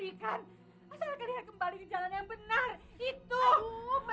tidak tidak tidak tidak